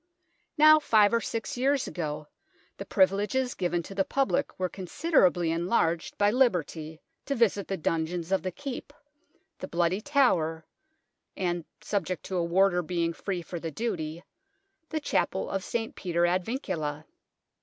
Now five or six years ago, the privileges given to the public were considerably en larged by liberty to visit the dungeons of the Keep, the Bloody Tower, and (subject to a warder being free for the duty) the Chapel of St. Peter ad Vincula.